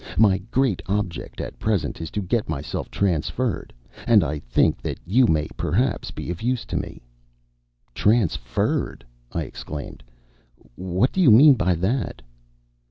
My great object at present is to get myself transferred, and I think that you may, perhaps, be of use to me." "Transferred!" I exclaimed. "What do you mean by that?"